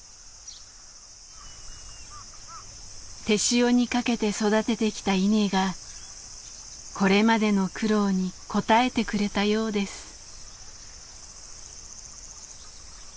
手塩にかけて育ててきた稲がこれまでの苦労に応えてくれたようです。